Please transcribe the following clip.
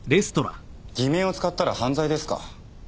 偽名を使ったら犯罪ですか？